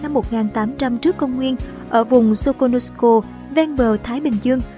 thành lập vào khoảng năm một nghìn tám trăm linh trước công nguyên ở vùng soconusco ven bờ thái bình dương